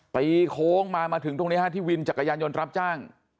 โค้งมามาถึงตรงนี้ฮะที่วินจักรยานยนต์รับจ้าง